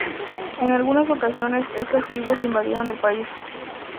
En algunas ocasiones, estas tribus invadieron el país.